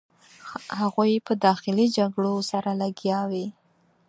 هغوی په داخلي جګړو سره لګیا وې.